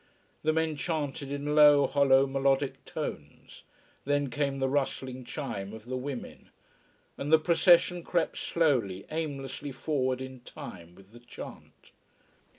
The men chanted in low, hollow, melodic tones. Then came the rustling chime of the women. And the procession crept slowly, aimlessly forward in time with the chant.